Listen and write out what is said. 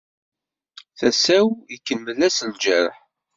Tasa-w ikemmel-as lǧerḥ.